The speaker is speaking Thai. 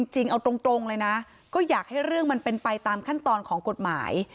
จริงเอาตรงเลยนะก็อยากให้เรื่องมันเป็นไปตามขั้นตอนของกฎหมาย